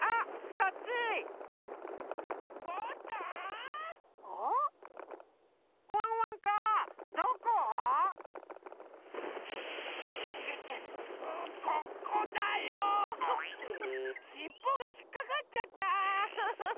ここだよしっぽがひっかかっちゃった。